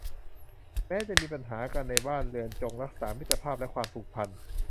แม้จะมีปัญหากันในบ้านเรือนจงรักษามิตรภาพและความผูกพัน